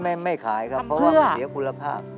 ไม่ไม่ขายครับเพราะแถวคุณภาพ